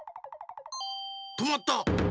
とまった！